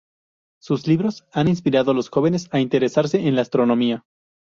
Sus libros han inspirado a los jóvenes a interesarse en la astronomía.